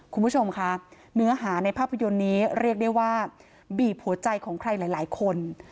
คุณผู้ชมค่ะเนื้อหาในภาพยนตร์นี้เรียกได้ว่าบีบหัวใจของใครหลายคน